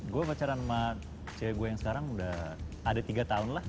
gue pacaran sama cewek gue yang sekarang udah ada tiga tahun lah